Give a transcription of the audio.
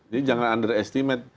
jadi jangan underestimate